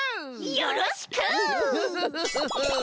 よろしく！